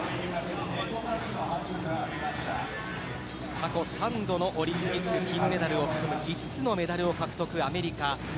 過去３度のオリンピック金メダルを含む５つのメダルを獲得、アメリカ。